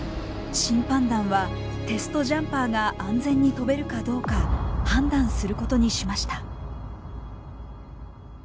審判団はテストジャンパーが安全に飛べるかどうか判断することにしました。